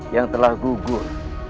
yang telah gugur